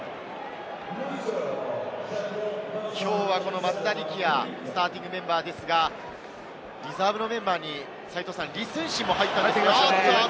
きょうはこの松田力也、スターティングメンバーですが、リザーブのメンバーに李承信も入っていましたね。